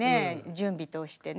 準備としてね